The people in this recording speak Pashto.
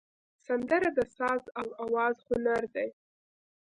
سندره د ساز او آواز هنر دی